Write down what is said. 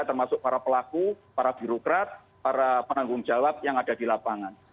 termasuk para pelaku para birokrat para penanggung jawab yang ada di lapangan